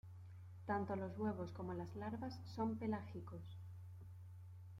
Tanto los huevos como las larvas son pelágicos.